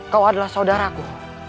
kau adalah saudaraku